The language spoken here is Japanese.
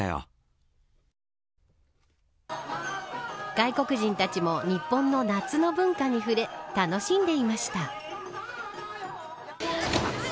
外国人たちも日本の夏の文化に触れ楽しんでいました。